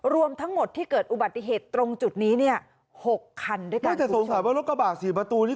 รวมทั้งหมดที่เกิดอุบัติเหตุตรงจุดนี้เนี่ยหกคันด้วยกันน่าจะสงสัยว่ารถกระบะสี่ประตูนี้